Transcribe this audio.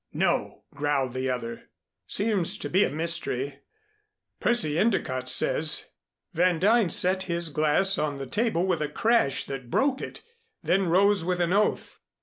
"No," growled the other. "Seems to be a mystery. Percy Endicott says " Van Duyn set his glass on the table with a crash that broke it, then rose with an oath.